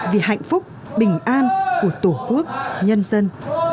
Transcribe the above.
vì hạnh phúc bình an của tổ quốc nhân dân